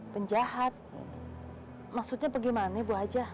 penjahat maksudnya pergi mana bu haji